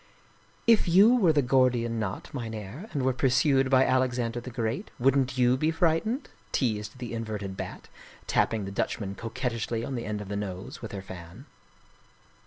" If you were the Gordian knot, Mynherr, and were pur sued by Alexander the Great, wouldn't you be frightened? " teased the inverted Bat, tapping the Dutchman coquettishly on the end of the nose with her fan.